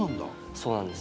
そうなんです。